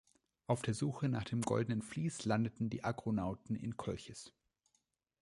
Auf der Suche nach dem goldenen Vlies landeten die Argonauten in Kolchis.